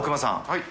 はい。